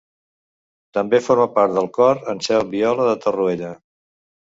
També forma part del cor Anselm Viola de Torroella.